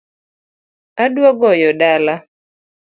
Adwa goyo dala